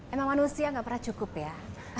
emang manusia gak pernah cukup ya